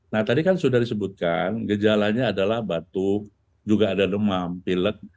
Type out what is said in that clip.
nah tadi kan sudah disebutkan gejalanya adalah batuk juga ada demam pilek